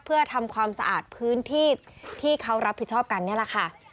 เพื่อทำความสะอาดพื้นที่ที่เขารับผิดชอบกันนี่แหละค่ะ